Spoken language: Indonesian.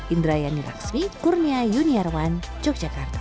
indra yani raksmi kurnia yuniarwan yogyakarta